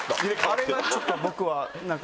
あれがちょっと。